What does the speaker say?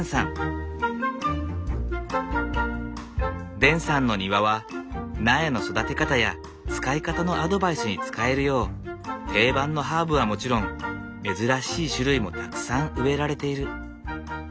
デンさんの庭は苗の育て方や使い方のアドバイスに使えるよう定番のハーブはもちろん珍しい種類もたくさん植えられている。